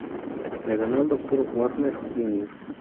Le ganó al Dr Wagner jr.